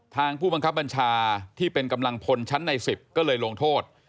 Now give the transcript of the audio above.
ผู้บังคับบัญชาที่เป็นกำลังพลชั้นใน๑๐ก็เลยลงโทษ